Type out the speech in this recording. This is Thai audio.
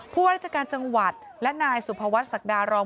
ผู้ว่าราชการจังหวัดและนายสุภวัฒนศักดารอง